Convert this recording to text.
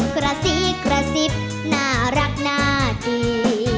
กระซีกกระซิบน่ารักน่าดี